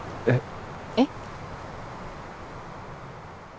えっ？